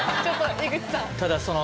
井口さん。